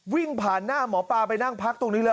วิ่งผ่านหน้าหมอปลาไปนั่งพักตรงนี้แล้ว